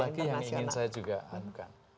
satu lagi yang ingin saya juga adukan